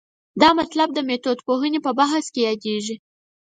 دا مطلب د میتودپوهنې په مبحث کې یادېږي.